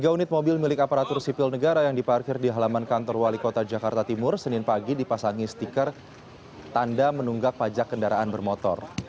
tiga unit mobil milik aparatur sipil negara yang diparkir di halaman kantor wali kota jakarta timur senin pagi dipasangi stiker tanda menunggak pajak kendaraan bermotor